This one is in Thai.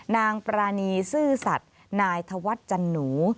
ปรานีซื่อสัตว์นายธวัฒน์จันหนู